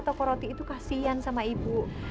toko roti itu kasian sama ibu